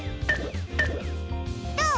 どう？